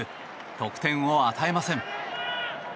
得点を与えません。